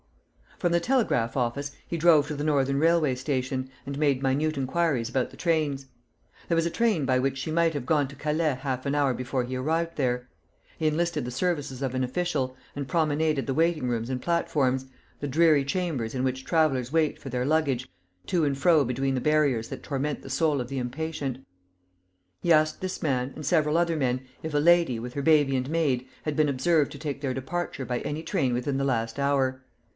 From the telegraph office he drove to the Northern Railway Station, and made minute inquiries about the trains. There was a train by which she might have gone to Calais half an hour before he arrived there. He enlisted the services of an official, and promenaded the waiting rooms and platforms, the dreary chambers in which travellers wait for their luggage, to and fro between the barriers that torment the soul of the impatient. He asked this man, and several other men, if a lady, with her baby and maid, had been observed to take their departure by any train within the last hour.